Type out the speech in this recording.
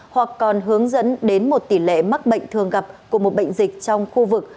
hoặc còn hướng dẫn đến một tỷ lệ mắc bệnh thường gặp của một bệnh dịch trong khu vực